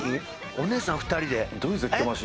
お姉さん２人でえっ？